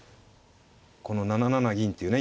この７七銀っていうね